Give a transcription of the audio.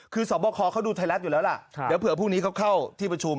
คือสอบคอเขาดูไทยรัฐอยู่แล้วล่ะเดี๋ยวเผื่อพรุ่งนี้เขาเข้าที่ประชุม